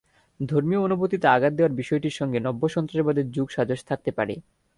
ধর্মীয় অনুভূতিতে আঘাত দেওয়ার বিষয়টির সঙ্গে নব্য সন্ত্রাসবাদের যোগসাজশ থাকতে পারে।